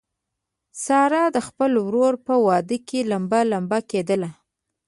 ساره د خپل ورور په واده کې لمبه لمبه کېدله.